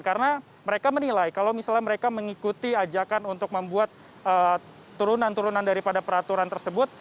karena mereka menilai kalau misalnya mereka mengikuti ajakan untuk membuat turunan turunan daripada peraturan tersebut